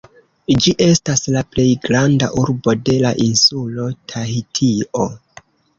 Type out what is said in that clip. Ĝi estas la plej granda urbo de la insulo Tahitio.